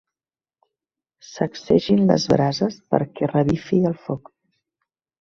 Sacsegin les brases perquè revifi el foc.